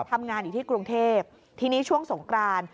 ทำงานอยู่ที่กรุงเทพทีนี้ช่วงสงกราน